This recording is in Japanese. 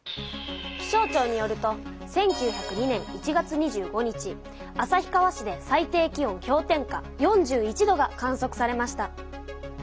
気象ちょうによると１９０２年１月２５日旭川市で最低気温氷点下４１度が観そくされました。